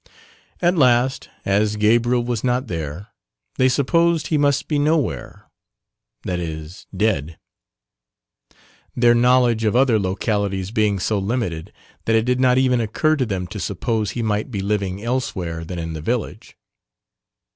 At last, as Gabriel was not there, they supposed he must be nowhere that is dead. (Their knowledge of other localities being so limited, that it did not even occur to them to suppose he might be living elsewhere than in the village.)